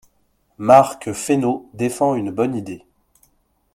Marc Fesneau défend une bonne idée.